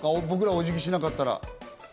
僕らがお辞儀をしなかったら。